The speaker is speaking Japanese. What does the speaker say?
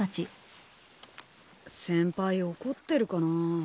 先輩怒ってるかな。